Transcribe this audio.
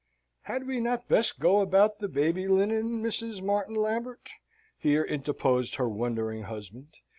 "Had we not best go about the baby linen, Mrs. Martin Lambert?" here interposed her wondering husband.